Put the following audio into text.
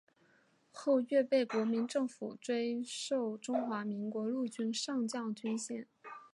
后岳被国民政府追授中华民国陆军上将军衔。